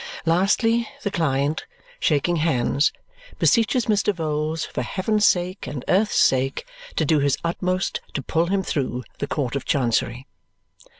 Lastly, the client, shaking hands, beseeches Mr. Vholes, for heaven's sake and earth's sake, to do his utmost to "pull him through" the Court of Chancery.